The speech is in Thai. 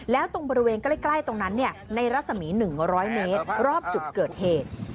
แล้วตรงบริเวณใกล้ตรงนั้นในรัศมี๑๐๐เมตรรอบจุดเกิดเหตุ